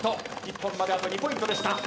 一本まであと２ポイントでした。